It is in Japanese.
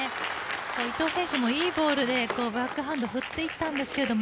伊藤選手もいいボールでバックハンド振っていったんですけれども。